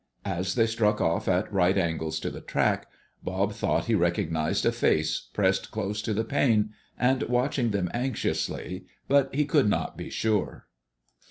As they struck off at right angles to the track, Bob thought he recognized a face pressed close to the pane and watching them anxiously; but he could not be sure.